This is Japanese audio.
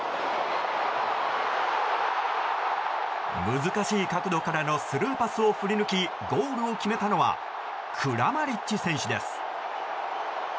難しい角度からのスルーパスを振り抜きゴールを決めたのはクラマリッチ選手です。